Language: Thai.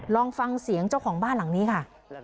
ลองฟังเสียงเจ้าของบ้านหลังนี้ค่ะ